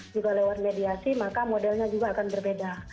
juga lewat mediasi maka modelnya juga akan berbeda